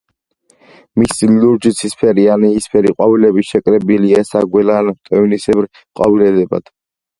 მისი ლურჯი, ცისფერი ან იისფერი ყვავილები შეკრებილია საგველა ან მტევნისებრ ყვავილედებად.